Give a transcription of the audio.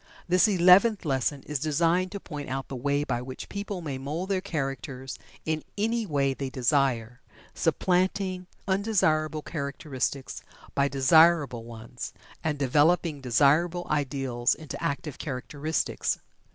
This Eleventh Lesson is designed to point out the way by which people may mould their characters in any way they desire supplanting undesirable characteristics by desirable ones, and developing desirable ideals into active characteristics.